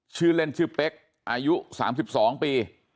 ชื่อเล่นชื่อเป๊กอายุ๓๒ปี